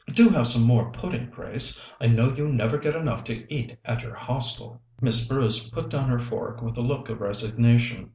"Do have some more pudding, Grace. I know you never get enough to eat at your Hostel." Miss Bruce put down her fork with a look of resignation.